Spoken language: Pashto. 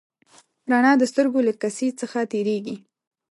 رڼا د سترګو له کسي څخه تېرېږي.